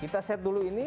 kita set dulu ini